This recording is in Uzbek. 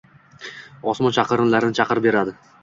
osmon chaqinlarin chaqib beradi